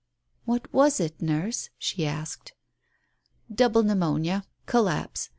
"What was it, Nurse?" she asked. "Double pneumonia. Collapse.